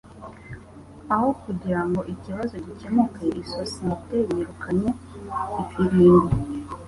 Aho kugirango ikibazo gikemuke isosiyete yirukanye ifirimbi